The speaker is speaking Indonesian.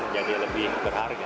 jadi lebih berharga